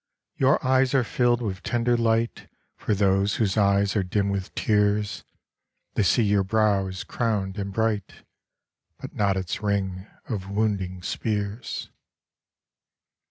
Your eyes are filled with tender light For those whose eyes are dim with tears : They see your brow is crowned and bright,, But not its ring of wounding spears.